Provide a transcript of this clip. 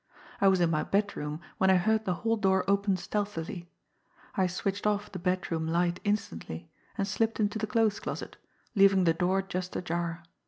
I was in my bedroom when I heard the hall door open stealthily. I switched off the bedroom light instantly, and slipped into the clothes closet, leaving the door just ajar.